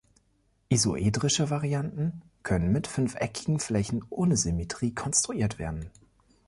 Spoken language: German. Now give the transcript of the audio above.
Isoedrische Varianten können mit fünfeckigen Flächen ohne Symmetrie konstruiert werden.